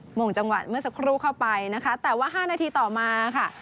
โหม่งจังหวัดเมื่อสกรูเข้าไปแต่ว่า๕นาทีต่อมา